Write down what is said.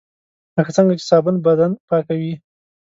لکه څنګه چې صابون بدن پاکوي .